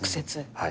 はい。